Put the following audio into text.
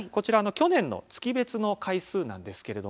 去年の月別の回数です。